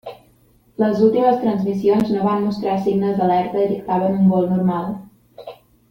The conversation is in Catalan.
Les últimes transmissions no van mostrar signes d'alerta i dictaven un vol normal.